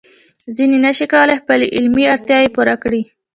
ځینې نشي کولای خپل علمي اړتیاوې پوره کړي.